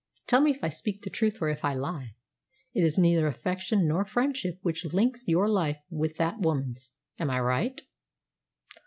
Tell me if I speak the truth or if I lie. It is neither affection nor friendship which links your life with that woman's. Am I right?"